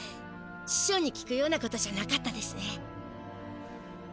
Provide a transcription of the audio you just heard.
ししょうに聞くようなことじゃなかったですね。